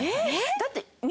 だって。